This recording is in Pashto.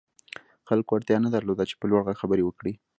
خلکو اړتيا نه درلوده چې په لوړ غږ خبرې وکړي.